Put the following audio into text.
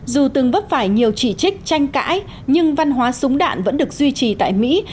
dù từng vấp phải nhiều chỉ trích tranh cãi nhưng văn hóa súng đạn vẫn được duy trì tại mỹ